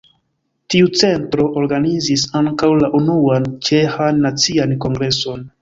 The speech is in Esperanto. Tiu centro organizis ankaŭ la unuan ĉeĥan nacian kongreson.